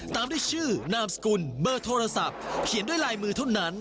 ตามด้วยชื่อนามสกุลเบอร์โทรศัพท์เขียนด้วยลายมือเท่านั้น